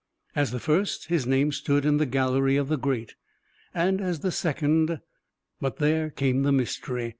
As the first, his name stood in the gallery of the great, and as the second but there came the mystery!